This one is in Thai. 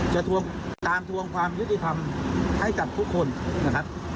จะตามทวงความยุติภัณฑ์ให้จัดทุกคนนะครับ